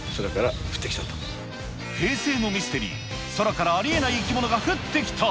平成のミステリー、空からありえない生き物が降ってきた。